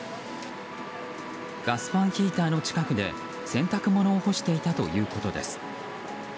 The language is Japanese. ガスファンヒーターの近くで洗濯物を干していたということです。